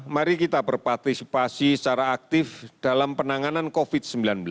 mari kita berpartisipasi secara aktif dalam penanganan covid sembilan belas